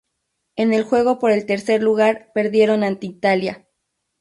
En el juego por el tercer lugar perdieron ante Italia.